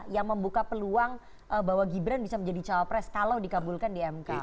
yang membuka peluang bahwa gibran bisa menjadi cawapres kalau dikabulkan di mk